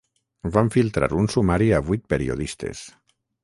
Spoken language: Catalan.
Van filtrar un sumari a vuit periodistes